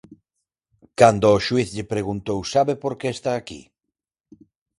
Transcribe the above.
Cando o xuíz lle preguntou sabe por que está aquí?